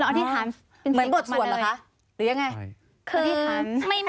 แล้วอธิษฐานเป็นเสียงออกมาเลย